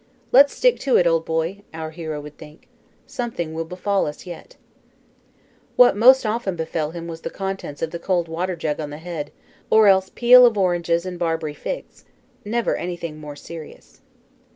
"Let's stick to it, old boy," our hero would think. "Something will befall us yet." What most often befell him was the contents of the cold water jug on the head, or else peel of oranges and Barbary figs; never anything more serious.